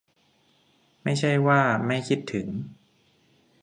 ไม่ใช่ว่าไม่คิดถึง